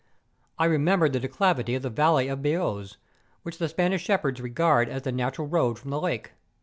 I remembered the declivity of the valley of Beousse, which the Spanish shepherds regard as the natural road from the lake.